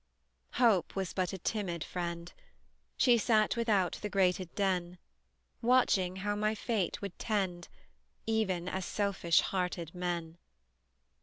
Hope Was but a timid friend; She sat without the grated den, Watching how my fate would tend, Even as selfish hearted men.